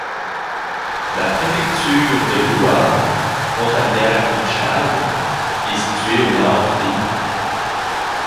La préfecture de l'Ouham, frontalière du Tchad, est située au Nord du pays.